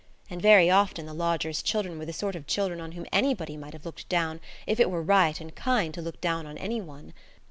And very often the lodgers' children were the sort of children on whom anybody might have looked down, if it were right and kind to look down on any one.